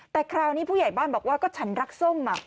แต่คราวนี้ผู้ใหญ่บ้านบอกว่าก็ฉันรักส้ม